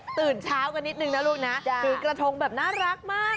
ตื่นเช้ากันนิดนึงนะลูกนะถือกระทงแบบน่ารักมาก